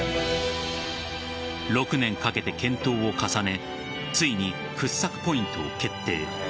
６年かけて検討を重ねついに掘削ポイントを決定。